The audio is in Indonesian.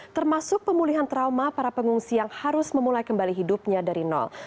termasuk pemulihan trauma para pengungsi yang harus memulai kembali hidupnya dari nol